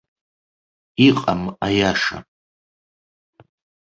Иҟам аиаша.